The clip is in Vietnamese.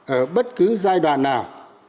ở bất cứ giai đoạn nào